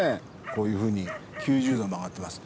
こういうふうに９０度に曲がってます。